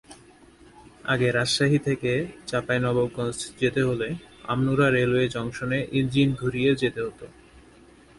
আগে রাজশাহী থেকে চাঁপাইনবাবগঞ্জ যেতে হলে আমনুরা রেলওয়ে জংশনে ইঞ্জিন ঘুরিয়ে যেতে হতো।